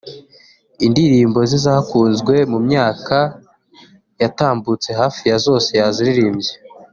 indirimbo ze zakunzwe mu myaka yatambutse hafi ya zose yaziririmbye